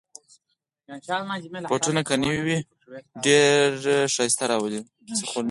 بوټونه که نوې وي، ډېر خوښي راولي.